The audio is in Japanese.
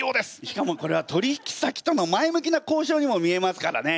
しかもこれは取引先との前向きな交渉にも見えますからね。